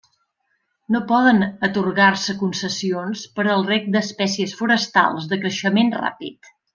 No poden atorgar-se concessions per al reg d'espècies forestals de creixement ràpid.